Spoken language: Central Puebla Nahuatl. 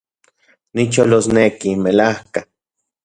Nicholosneki, melajka